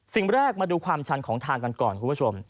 สิ่งแรกมาดูความชันของทางกันก่อนคุณผู้ชม